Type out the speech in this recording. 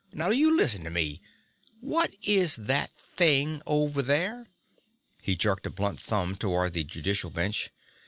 Now you listen to me! What is that thing over there?" He jerked a blunt thumb toward the judicial bench.